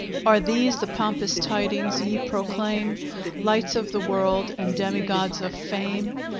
Are these the pompous tidings ye proclaim, Lights of the world, and demigods of Fame?